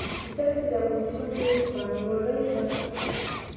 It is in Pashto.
دښتې د افغانستان د بڼوالۍ برخه ده.